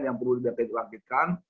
yang perlu dilangkitkan